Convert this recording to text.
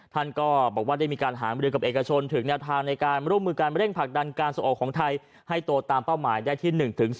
ท่านก็บอกว่าได้มีการหามรือกับเอกชนถึงแนวทางในการร่วมมือการเร่งผลักดันการส่งออกของไทยให้โตตามเป้าหมายได้ที่๑๒